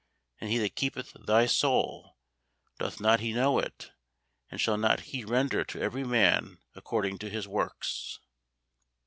and He that keepeth thy soul, doth not he know it? and shall not He render to every man according to his works?"